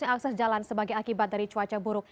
akses jalan sebagai akibat dari cuaca buruk